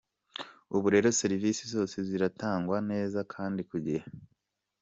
Ubu rero serivise zose ziratangwa neza kandi ku gihe.